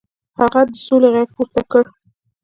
هغه د سولې غږ پورته کړ.